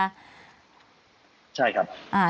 ใช่ครับ